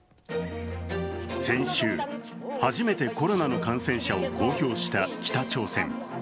先週、初めてコロナの感染者を公表した北朝鮮。